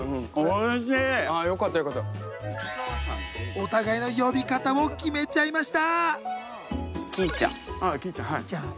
お互いの呼び方も決めちゃいました